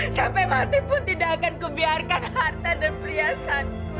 capek mati pun tidak akan kubiarkan harta dan perhiasanku